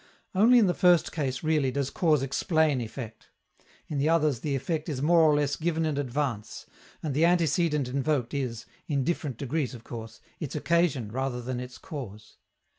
Only in the first case, really, does cause explain effect; in the others the effect is more or less given in advance, and the antecedent invoked is in different degrees, of course its occasion rather than its cause.